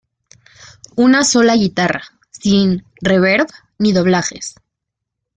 Una sola guitarra, sin "reverb" ni doblajes.